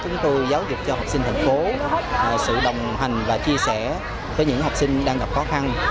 chúng tôi giáo dục cho học sinh thành phố sự đồng hành và chia sẻ với những học sinh đang gặp khó khăn